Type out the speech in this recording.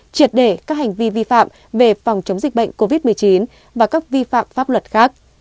triệt để các hành vi vi phạm về phòng chống dịch bệnh covid một mươi chín và các vi phạm pháp luật khác